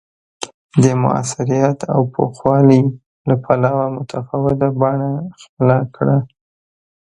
د موثریت او پوخوالي له پلوه متفاوته بڼه خپله کړه